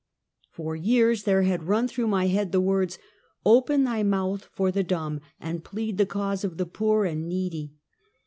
For years there had run through my head the words, " Open thy mouth for the dumb, plead the cause of the poor and needy."